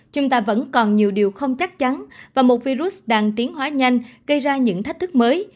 chúng ta vẫn còn nhiều điều không chắc chắn và một virus đang tiến hóa nhanh gây ra những thách thức mới